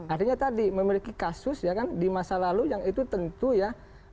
artinya tadi memiliki kasus ya kan di masa lalu yang itu tentu ya